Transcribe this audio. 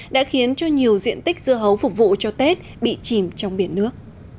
đã khiến cho nhiều diện tích dưa hấu phục vụ cho tết bị chìm trong biển nước